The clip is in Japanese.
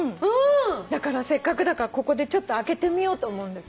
だからせっかくだからここで開けてみようと思う。